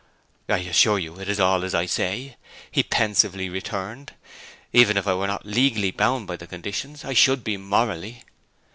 'I assure you it is all as I say,' he pensively returned. 'Even if I were not legally bound by the conditions I should be morally.'